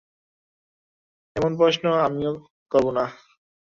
এমন প্রশ্নও আমি করব না।